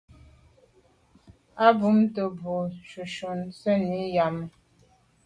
A bumte boa shunshun sènni yàme.